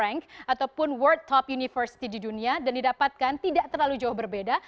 jadi ini adalah satu satunya perusahaan yang terdapat di universitas di dunia dan didapatkan tidak terlalu jauh berbeda